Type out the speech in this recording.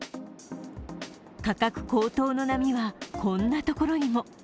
価格高騰の波は、こんなところにも。